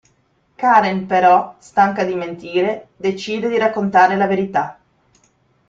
Karen, però, stanca di mentire, decide di raccontare la verità.